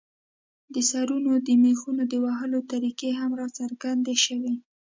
د سرونو د مېخونو د وهلو طریقې هم راڅرګندې شوې.